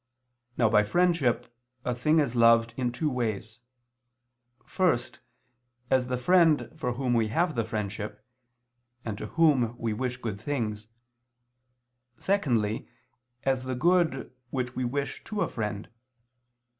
Now by friendship a thing is loved in two ways: first, as the friend for whom we have friendship, and to whom we wish good things: secondly, as the good which we wish to a friend.